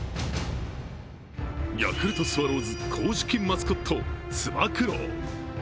ヤクルトスワローズ公式マスコット・つば九郎。